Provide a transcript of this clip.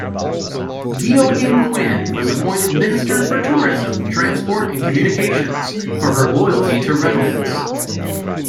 Geoghegan-Quinn was appointed Minister for Tourism, Transport and Communications for her loyalty to Reynolds.